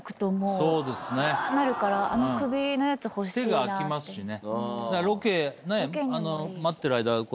手が空きますしね。